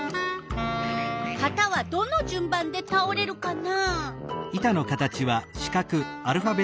はたはどのじゅん番でたおれるかな？